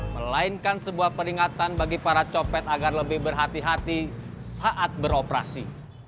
melainkan sebuah peringatan bagi para copet agar lebih berhati hati saat beroperasi